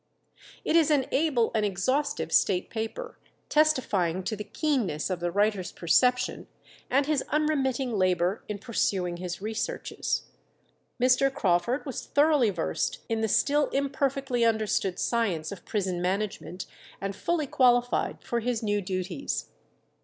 It is an able and exhaustive state paper, testifying to the keenness of the writer's perception, and his unremitting labour in pursuing his researches. Mr. Crawford was thoroughly versed in the still imperfectly understood science of prison management, and fully qualified for his new duties.